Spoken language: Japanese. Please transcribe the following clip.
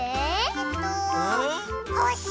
えっとほし！